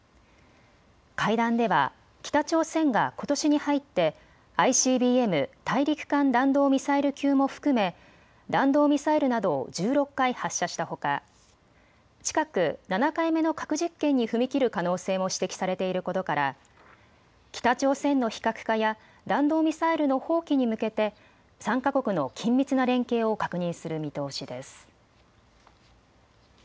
会談では北朝鮮がことしに入ってＩＣＢＭ・大陸間弾道ミサイル級も含め弾道ミサイルなどを１６回発射したほか近く７回目の核実験に踏み切る可能性も指摘されていることから北朝鮮の非核化や弾道ミサイルの放棄に向けて３か国の緊密な連携を確認する見通しです。